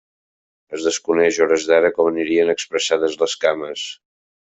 Es desconeix, a hores d’ara, com anirien expressades les cames.